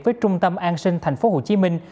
với trung tâm an sinh tp hcm